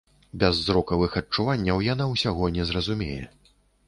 Без зрокавых адчуванняў яна ўсяго не зразумее.